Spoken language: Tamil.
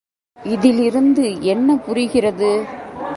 இதிலிருந்து என்ன புரிகிறது?